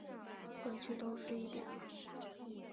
回去都十一点了